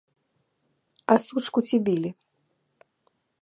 А сучку ці білі?